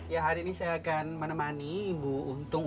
ya hari ini saya akan menemani ibu untung